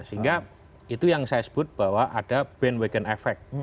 sehingga itu yang saya sebut bahwa ada bandwagon effect